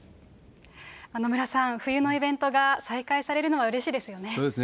野村さん、冬のイベントが再開されるのはうれしいですよね。